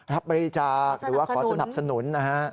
รับบริจาคหรือว่าขอสนับสนุนนะฮะ